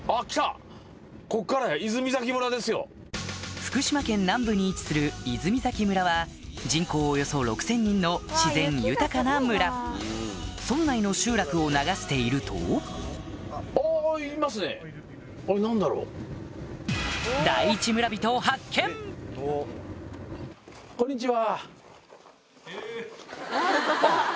福島県南部に位置する泉崎村は人口およそ６０００人の自然豊かな村村内の集落を流しているとこんにちは。